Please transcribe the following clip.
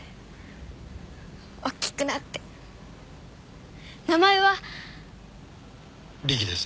おっきくなって名前はリキです